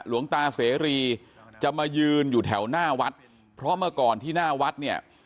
หลวงตาเสรีจะมายืนอยู่แถวหน้าวัดเพราะเมื่อก่อนที่หน้าวัดเนี่ย